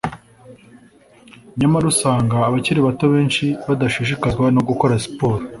nyamara usanga abakiri bato benshi badashishikazwa no gukora siporo